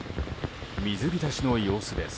水浸しの様子です。